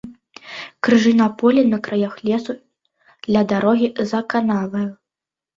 Крыжы на полі, на краях лесу, ля дарогі за канаваю.